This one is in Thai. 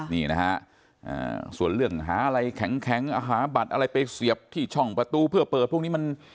นี่นะฮะส่วนเรื่องหาอะไรแข็งหาบัตรอะไรไปเสียบที่ช่องประตูเพื่อเปิดพวกนี้มัน